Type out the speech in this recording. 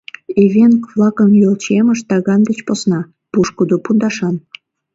Эвенк-влакын йолчиемышт таган деч посна, пушкыдо пундашан.